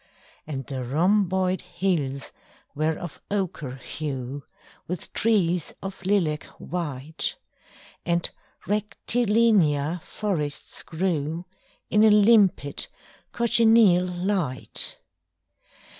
And the rhomboid hills were of ochre hue With trees of lilac white, And rectilinear forests grew In a limpid cochineal light.